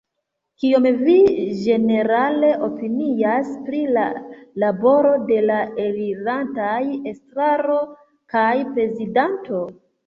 Kion vi ĝenerale opinias pri la laboro de la elirantaj estraro kaj prezidanto?